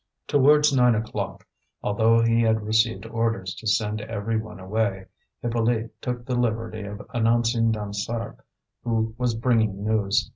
Towards nine o'clock, although he had received orders to send every one away, Hippolyte took the liberty of announcing Dansaert, who was bringing news.